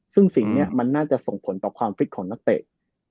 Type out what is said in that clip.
ซึ่งสิ่งนี้มันน่าจะส่งผลต่อความฟิตของนักเตะ